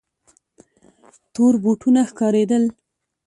تور بوټونه ښکارېدل.